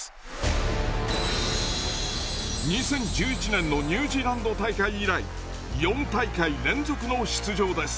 ２０１１年のニュージーランド大会以来４大会連続の出場です。